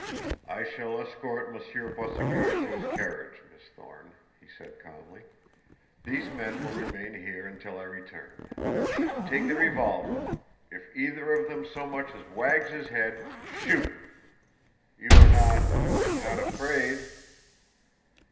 "I shall escort Monsieur Boisségur to his carriage, Miss Thorne," he said calmly. "These men will remain here until I return. Take the revolver. If either of them so much as wags his head shoot! You are not not afraid?"